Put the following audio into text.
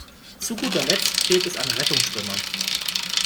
Zu guter Letzt fehlt es an Rettungsschwimmern.